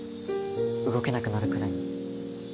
動けなくなるくらいに。